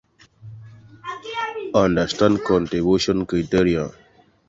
Realizó sus estudios universitario de Medicina Humana en la Universidad Nacional de San Agustín.